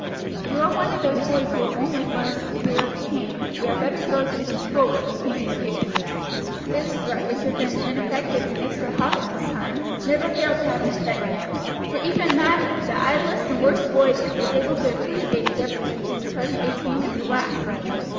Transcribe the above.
If you are one of those boys who will only learn from fear of the cane you had better go to some school where the cane is used." This threat, which would have been ineffective in Mr. Hathorn's time never failed to have an effect now; for even Mather, the idlest and worst boy there, was able to appreciate the difference between the present regime and the last.